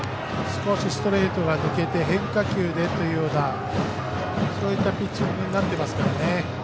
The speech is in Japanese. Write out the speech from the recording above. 少しストレートが抜けて変化球でというようなそういったピッチングになっていますからね。